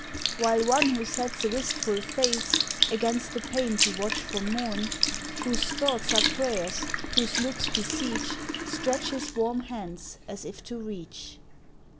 While one who sets a wistful face Againt the pane to watch for morn, Whose thoughts are prayers, whose looks beseech t Stretches warm hands, as if to reach.